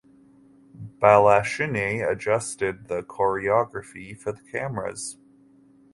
Balanchine adjusted the choreography for the cameras.